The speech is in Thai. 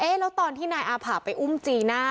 แล้วตอนที่นายอาผ่าไปอุ้มจีน่า